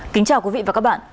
kính chào quý vị và các bạn